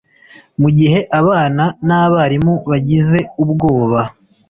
mugihe abana nabarimu bagize ubwoba